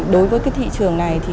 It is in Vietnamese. đối với cái thị trường này thì